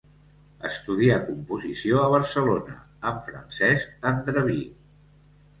Estudià composició a Barcelona amb Francesc Andreví.